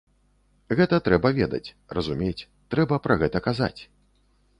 Гэта трэба ведаць, разумець, трэба пра гэта казаць.